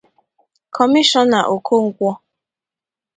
Kọmishọna Okonkwọ